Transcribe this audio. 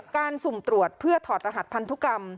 สุ่มตรวจเพื่อถอดรหัสพันธุกรรม